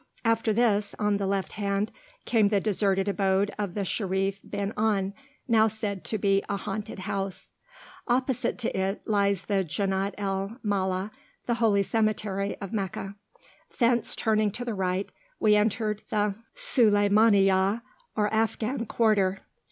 After this, on the left hand, came the deserted abode of the Sherif bin Aun, now said to be a "haunted house." Opposite to it lies the Jannat el Maala, the holy cemetery of Meccah. Thence, turning to the right, we entered the Sulaymaniyah or Afghan quarter.